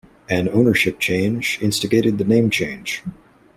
An ownership change instigated the name change.